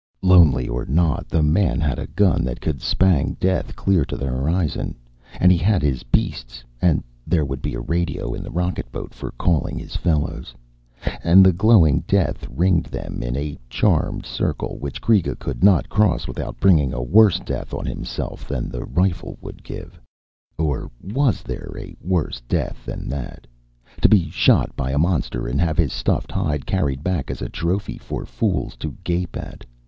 Lonely or not, the man had a gun that could spang death clear to the horizon, and he had his beasts, and there would be a radio in the rocketboat for calling his fellows. And the glowing death ringed them in, a charmed circle which Kreega could not cross without bringing a worse death on himself than the rifle would give Or was there a worse death than that to be shot by a monster and have his stuffed hide carried back as a trophy for fools to gape at?